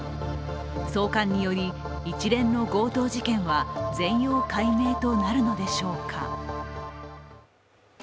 送還により、一連の強盗事件は全容解明となるのでしょうか。